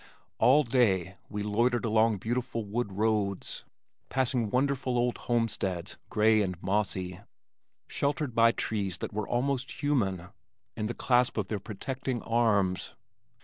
All day we loitered along beautiful wood roads, passing wonderful old homesteads gray and mossy, sheltered by trees that were almost human in the clasp of their protecting arms.